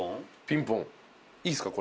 『ピンポン』いいっすか？